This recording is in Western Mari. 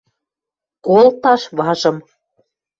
Колташ важым...